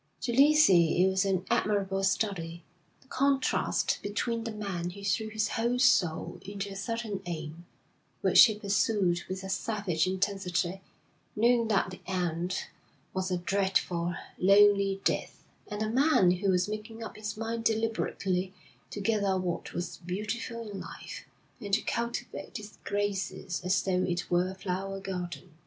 To Lucy it was an admirable study, the contrast between the man who threw his whole soul into a certain aim, which he pursued with a savage intensity, knowing that the end was a dreadful, lonely death; and the man who was making up his mind deliberately to gather what was beautiful in life, and to cultivate its graces as though it were a flower garden.